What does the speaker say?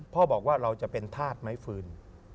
พ่อบอกว่าเราจะเป็นทาสไม้ฟื้น